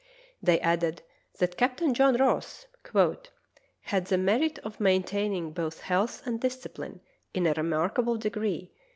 They added that Captain John Ross "had the merit of main taining both health and discipline in a remarkable de gree